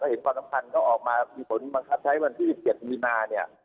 เขาเห็นความสำคัญก็ออกมาผลบังคับใช้วันที่สิบเจ็ดมีนาเนี่ย